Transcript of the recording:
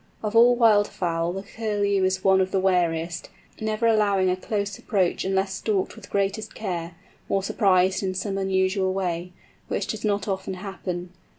Of all wild fowl the Curlew is one of the wariest, never allowing a close approach unless stalked with the greatest care, or surprised in some unusual way, which does not often happen.